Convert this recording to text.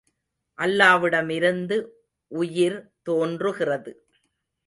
அல்லாவிடமிருந்து உயிர் தோன்றுகிறது.